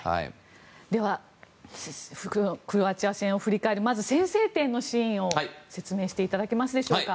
ではクロアチア戦を振り返るまず先制点のシーンを説明していただけますでしょうか。